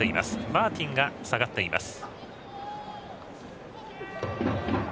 マーティンが下がっています。